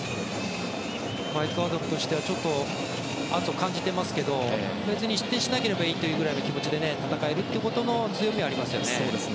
エクアドルとしてはちょっと、圧を感じていますが別に失点しなければいいというぐらいの気持ちで戦えるという強みはありますよね。